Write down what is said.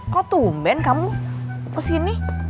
kok tumben kamu kesini